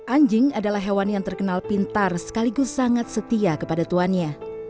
anjing adalah hewan yang terkenal pintar sekaligus sangat setia kepada tuannya